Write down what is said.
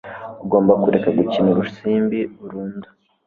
Ugomba kureka gukina urusimbi burundu